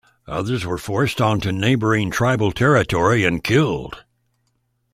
Others were forced onto neighbouring tribal territory and killed.